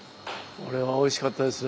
これはおいしかったですね。